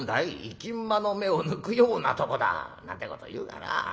『生き馬の目を抜くようなとこだ』なんてこと言うがな。